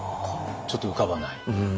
ちょっと浮かばない？